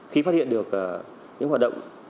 khi phát hiện được những hoạt động